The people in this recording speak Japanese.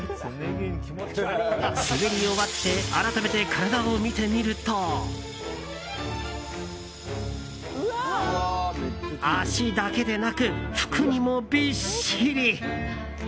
滑り終わって改めて体を見てみると足だけでなく服にもびっしり。